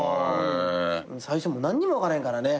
最初何にも分からへんからね。